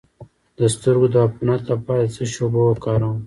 د سترګو د عفونت لپاره د څه شي اوبه وکاروم؟